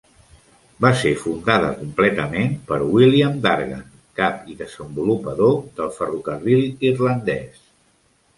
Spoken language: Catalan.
Va ser fundada completament per William Dargan, cap i desenvolupador del Ferrocarril irlandès.